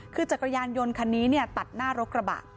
คือจักรยานยนต์คันนี้ตัดหน้ารถกระบะ